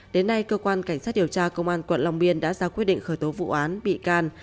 đến nay cơ quan cảnh sát điều tra công an quận long biên đã ra quyết định khởi tố vụ án bị can